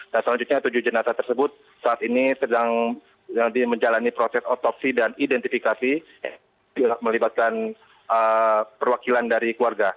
dan selanjutnya tujuh jenazah tersebut saat ini sedang menjalani proses otopsi dan identifikasi melibatkan perwakilan dari keluarga